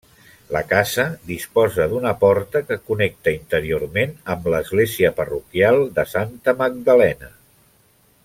La casa disposa d'una porta que connecta interiorment amb l'església parroquial de Santa Magdalena.